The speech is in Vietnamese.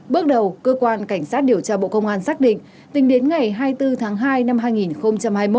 bước đầu cơ quan cảnh sát điều tra bộ công an xác định tính đến ngày hai mươi bốn tháng hai năm hai nghìn hai mươi một